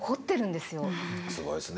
すごいっすね。